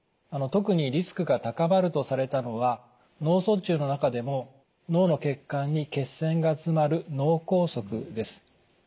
特にリスクが高まるとされたのは脳卒中の中でも脳の血管に血栓が詰まる脳梗塞です。